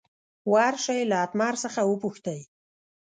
ور شئ له اتمر څخه وپوښتئ.